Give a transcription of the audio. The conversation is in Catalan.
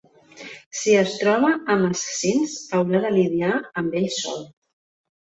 Si es troba amb assassins, haurà de lidiar amb ells sol.